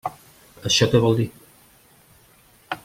Això què vol dir?